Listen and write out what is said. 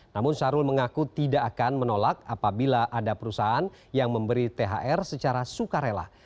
namun syahrul mengaku tidak akan menolak apabila ada perusahaan yang memberi thr secara sukarela